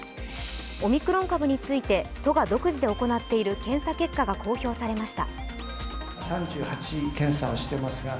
オミクロン株について都が独自で行っている検査結果が公表されました。